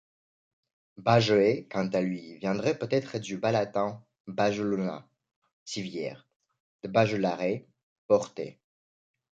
Bajoe, quant à lui, viendrait peut-être du bas-latin bajulona, civière, de bajulare, porter.